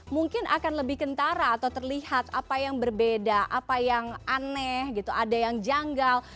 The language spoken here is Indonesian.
mungkin akan lebih kentara atau terlihat apa yang berbeda apa yang aneh gitu ada yang janggal